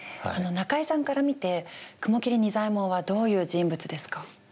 あの中井さんから見て雲霧仁左衛門はどういう人物ですか？